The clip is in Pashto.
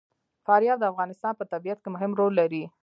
فاریاب د افغانستان په طبیعت کې مهم رول لري.